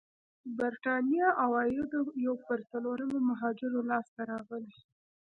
برېتانيا عوايدو یو پر څلورمه مهاجرو لاسته راغلي.